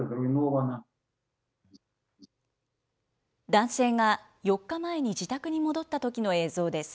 男性が、４日前に自宅に戻ったときの映像です。